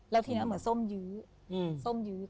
เหมือนส้มยือ